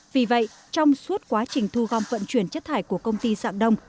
vì vậy trong suốt quá trình thu gom vận chuyển chất thải của công ty dạng đông